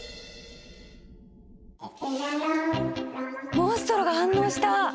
モンストロが反応した！